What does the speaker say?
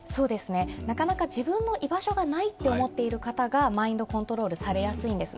なかなか自分の居場所がないと思っている方がマインドコントロールされやすいんですね。